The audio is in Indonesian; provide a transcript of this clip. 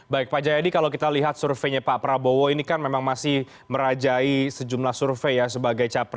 baik pak jayadi kalau kita lihat surveinya pak prabowo ini kan memang masih merajai sejumlah survei ya sebagai capres